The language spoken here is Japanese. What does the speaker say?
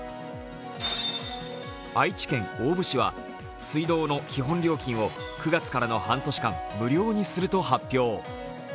愛知県大府市は水道の基本料金を９月からの半年間無料にすると発表。